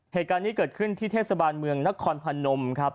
เหตุการณ์นี้เกิดขึ้นที่เทศบาลเมืองนครพนมครับ